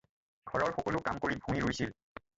ঘৰৰ সকলো কাম কৰি ভূঁই ৰুইছিল।